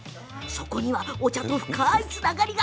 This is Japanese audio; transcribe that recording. そこにはお茶と深いつながりが。